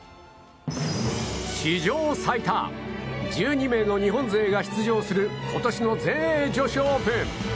史上最多１２名の日本勢が出場する今年の全英女子オープン！